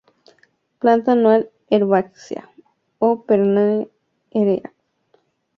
Planta anual herbácea, o perenne; erecta.